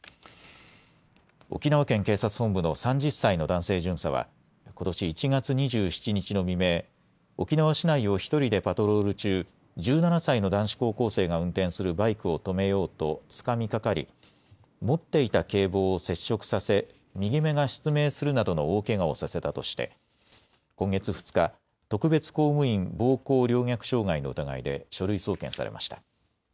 沖縄県警察本部の３０歳の男性巡査は、ことし１月２７日の未明、沖縄市内を１人でパトロール中、１７歳の男子高校生が運転するバイクを止めようとつかみかかり、持っていた警棒を接触させ右目が失明するなどの大けがをさせたとして、今月２日、特別公務員暴行陵虐傷害の疑いで書類送検されました。